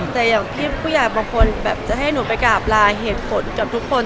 แต่อย่างพี่ผู้ใหญ่บางคนแบบจะให้หนูไปกราบลาเหตุผลกับทุกคน